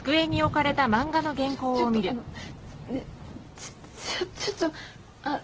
ねえちょちょっとあ。